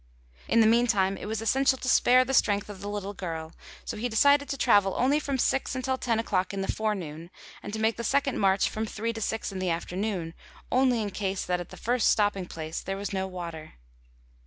In the meantime it was essential to spare the strength of the little girl; so he decided to travel only from six until ten o'clock in the forenoon, and to make the second march from three to six in the afternoon only in case that at the first stopping place there was no water.